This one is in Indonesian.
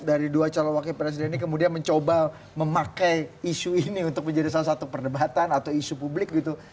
dari dua calon wakil presiden ini kemudian mencoba memakai isu ini untuk menjadi salah satu perdebatan atau isu publik gitu